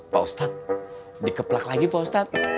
pak ustad dikeplak lagi pak ustad